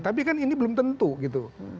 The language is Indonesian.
tapi kan ini belum tentu gitu